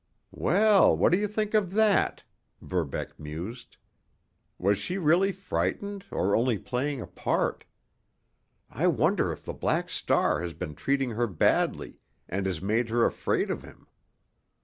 "Well, what do you think of that?" Verbeck mused. "Was she really frightened or only playing a part? I wonder if the Black Star has been treating her badly and has made her afraid of him?